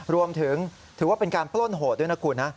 รวมถึงถือว่าเป็นการปล้นโหดด้วยนะคุณนะ